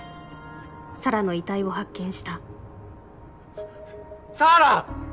沙良の遺体を発見した沙良！